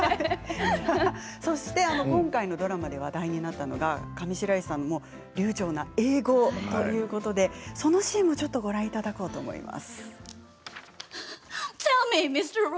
そして今回のドラマで話題になったのが上白石さんの流ちょうな英語ということでそのシーンもご覧いただこうと思います。